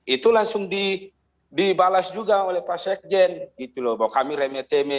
itu langsung dibalas juga oleh pak sekjen gitu loh bahwa kami remeh teme